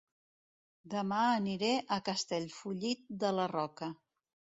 Dema aniré a Castellfollit de la Roca